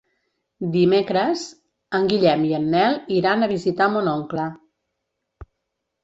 Dimecres en Guillem i en Nel iran a visitar mon oncle.